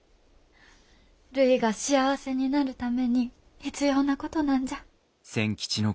るいが幸せになるために必要なことなんじゃ。